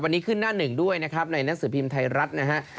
วันนี้ขึ้นหน้าหนึ่งด้วยนะครับในหนังสือพิมพ์ไทยรัฐนะฮะ